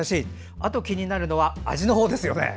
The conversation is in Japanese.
あと気になるのは味のほうですよね。